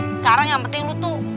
sekarang yang penting lu tuh